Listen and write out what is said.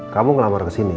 kamu ngelamar kesini